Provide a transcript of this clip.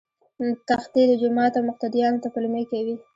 تښتي له جوماته مقتديانو ته پلمې کوي